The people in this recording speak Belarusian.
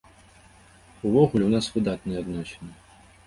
Увогуле, у нас выдатныя адносіны.